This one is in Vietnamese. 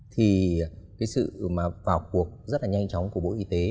thì cái sự mà vào cuộc rất là nhanh chóng của bộ y tế